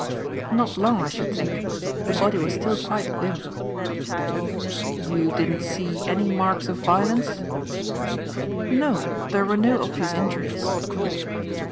"Not long, I should think. The body was still quite limp." "You didn't see any marks of violence?" "No. There were no obvious injuries."